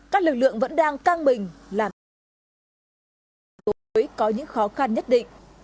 các lực lượng vẫn đang căng bình làm cho lực lượng có những khó khăn nhất định